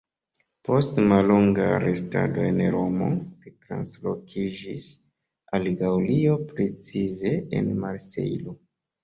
Post mallonga restado en Romo, li translokiĝis al Gaŭlio, precize en Marsejlo.